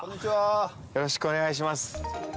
よろしくお願いします。